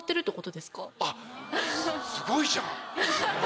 すごいじゃん！